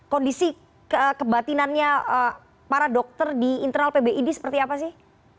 kondisi kebatinannya para dokter di internal pbid seperti apa sih